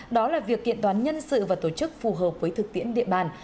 đó là việc kiện toán nhân sự và tổ chức phù hợp với thực tiễn địa bàn